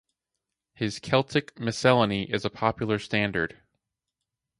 His "Celtic Miscellany" is a popular standard.